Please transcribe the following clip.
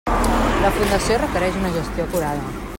La fundació requereix una gestió acurada.